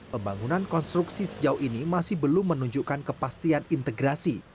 pembangunan konstruksi sejauh ini masih belum menunjukkan kepastian integrasi